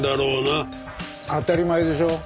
当たり前でしょ。